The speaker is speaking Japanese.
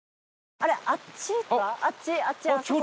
あっちあっちあそこ。